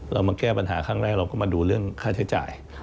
เรามาแก้ปัญหาครั้งแรกเราก็มาดูเรื่องค่าใช้จ่าย